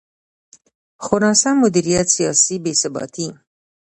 خو ناسم مدیریت، سیاسي بې ثباتي.